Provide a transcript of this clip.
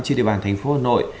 trên địa bàn thành phố hà nội